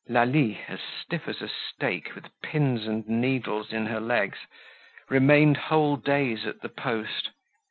Lalie, as stiff as a stake, with pins and needles in her legs, remained whole days at the post.